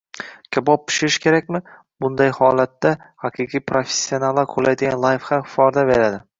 Kabob pishirish kerakmi? Bunday holatda haqiqiy professionallar qo‘llaydigan layfxak foyda beradi